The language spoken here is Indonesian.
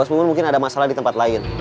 bos bubun mungkin ada masalah di tempat lain